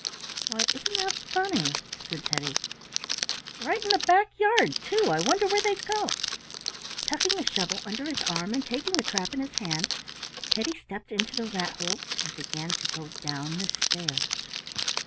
"Why, isn't that funny!" said Teddy. "Right in the back yard, too. I wonder where they go!" Tucking the shovel under his arm and taking the trap in his hand, Teddy stepped into the rat hole and began to go down the stairs.